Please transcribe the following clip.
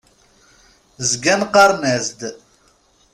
Zgan qqaren-as-d.